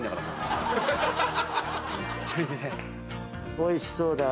おいしそうだ。